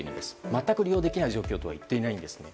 全く利用できない状況とは言っていないんですね。